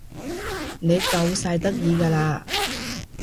你夠晒得意㗎啦